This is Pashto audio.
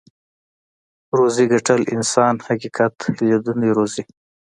روزي ګټل انسان حقيقت ليدونی روزي.